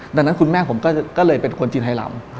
ดังนั้นคุณแม่ผมก็เลยเป็นคนจีนไฮรำ